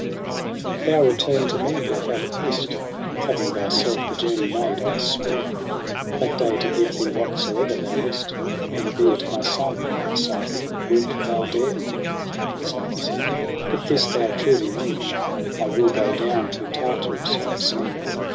II ' If thou return to me with that acquist. Having thyself the journey made, I swear That day to give thee whatsoe'er thou list. An be it my son. Now, Psyche, wilt thou dare ?' And Psyche said ' F this thou truly mean, I will go down to Tartarus obscene.